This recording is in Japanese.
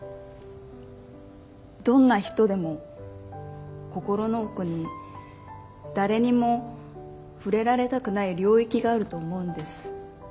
どんな人でも心の奥に誰にも触れられたくない領域があると思うんです。